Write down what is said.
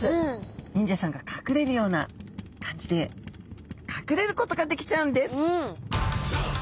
忍者さんが隠れるような感じで隠れることができちゃうんです！